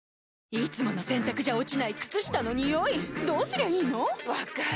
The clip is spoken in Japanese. いつもの洗たくじゃ落ちない靴下のニオイどうすりゃいいの⁉分かる。